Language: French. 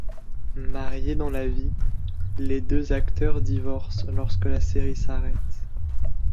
Mariés dans la vie, les deux acteurs divorcent lorsque la série s'arrête.